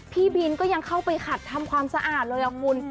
พี่บินก็ยังเข้าไปขัดทำความสะอาดเลยคุณ